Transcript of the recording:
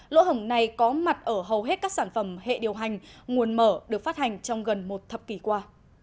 lỗ hổng này có mặt ở hầu hết các sản phẩm hệ điều hành nguồn mở được phát hành trong gần một thập kỷ qua